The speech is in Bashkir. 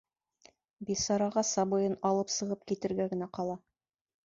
Бисараға сабыйын алып сығып китергә генә ҡала.